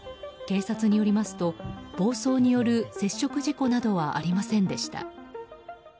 警察によりますと暴走による接触事故などはありませんでした。